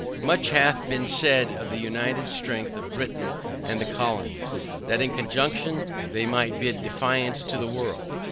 Much hath been said of the united strength of Britain and the colonies, that in conjunction they might bid defiance to the world.